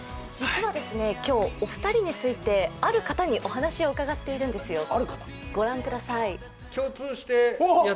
実は、今日、お二人についてある方にお話を伺っているんですよ。